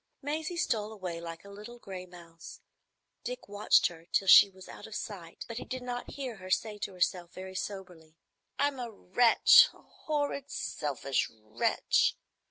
Maisie stole away like a little gray mouse. Dick watched her till she was out of sight, but he did not hear her say to herself, very soberly, "I'm a wretch,—a horrid, selfish wretch.